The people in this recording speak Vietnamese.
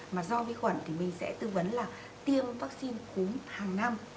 mà do vi khuẩn thì mình sẽ tư vấn là tiêm vaccine cúm hàng năm